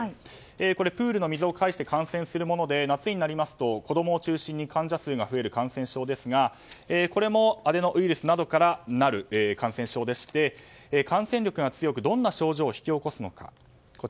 プールの水を介して感染するもので夏になりますと子供を中心に患者数が増える感染症ですがこれもアデノウイルスなどからなる感染症でして感染力が強くどんな症状を引き起こすのか。